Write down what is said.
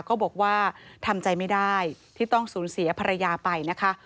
ก็บอกว่าทำใจไม่ได้ที่ต้องสูญเสียภรรยาไปนะคะ